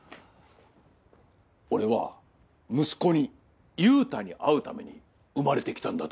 俺は息子に勇太に会うために生まれてきたんだと思う。